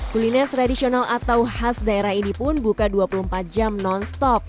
kuliner tradisional atau khas daerah ini pun buka dua puluh empat jam non stop